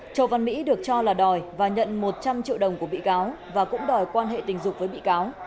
châu văn mỹ được cho là đòi và nhận một trăm linh triệu đồng của bị cáo và cũng đòi quan hệ tình dục với bị cáo